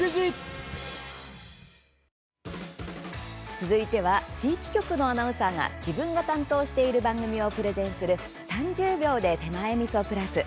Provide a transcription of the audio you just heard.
続いては地域局のアナウンサーが自分が担当している番組をプレゼンする「３０秒で手前みそプラス」。